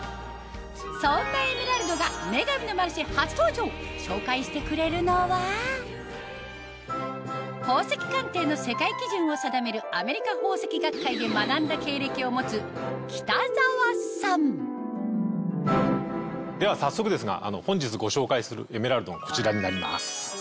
そんなエメラルドが紹介してくれるのは宝石鑑定の世界基準を定めるアメリカ宝石学会で学んだ経歴を持つ北澤さんでは早速ですが本日ご紹介するエメラルドがこちらになります。